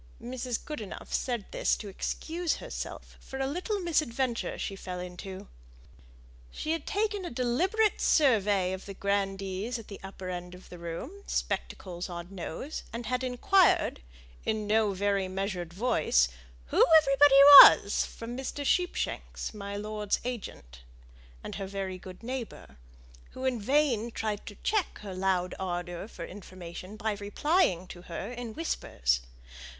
Mrs. Goodenough said this to excuse herself for a little misadventure she fell into. She had taken a deliberate survey of the grandees at the upper end of the room, spectacles on nose, and had inquired, in no very measured voice, who everybody was, from Mr. Sheepshanks, my lord's agent, and her very good neighbour, who in vain tried to check her loud ardour for information by replying to her in whispers.